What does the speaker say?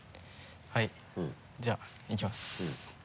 はいじゃあいきます。